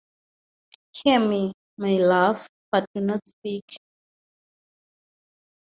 Hear me, my love, but do not speak.